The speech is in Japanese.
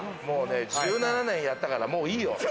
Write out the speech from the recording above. もうね、１７年やったから、もういいよ。